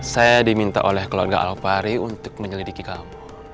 saya diminta oleh keluarga alfari untuk menyelidiki kamu